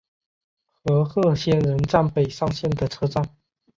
和贺仙人站北上线的车站。